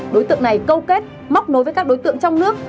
đối tượng này câu kết móc nối với các đối tượng trong nước